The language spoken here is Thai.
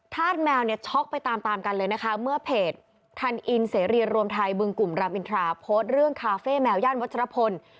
แมวเนี่ยช็อกไปตามตามกันเลยนะคะเมื่อเพจทันอินเสรีรวมไทยบึงกลุ่มรามอินทราโพสต์เรื่องคาเฟ่แมวย่านวัชรพล